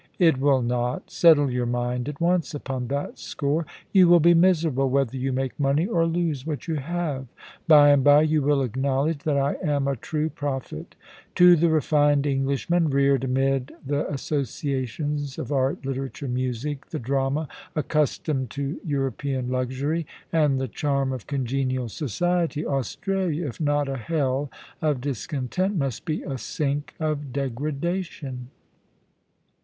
' It will not Settle your mind at once upon that score. You will be miserable, whether you make money or lose what you have. By and by you will acknowledge that I am a true prophet To the refined Englishman, reared mid the associations of art, literature, music, the drama — accustomed to European luxur}', and the charm of congenial society — Australia, if not a hell of discontent, must be a sink of degradation.'